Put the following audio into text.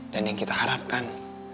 dan yang kita harapkan